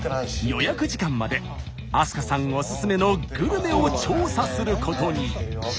予約時間まで明香さんおすすめのグルメを調査することに。